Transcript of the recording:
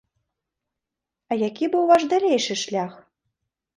А які быў ваш далейшы шлях?